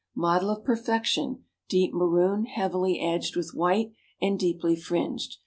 Model of Perfection, deep maroon, heavily edged with white, and deeply fringed.